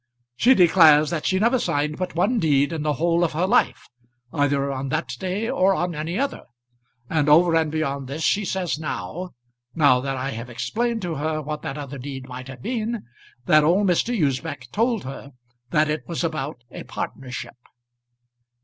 "She declares that she never signed but one deed in the whole of her life either on that day or on any other; and over and beyond this she says now now that I have explained to her what that other deed might have been that old Mr. Usbech told her that it was about a partnership."